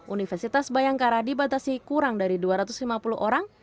universitas bayangkara dibatasi kurang dari dua ratus lima puluh orang